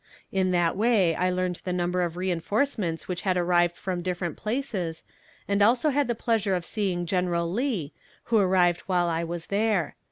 In that way I learned the number of reinforcements which had arrived from different places, and also had the pleasure of seeing General Lee, who arrived while I was there.